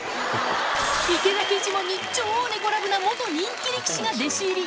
池崎一門に、超猫ラブな元人気力士が弟子入り。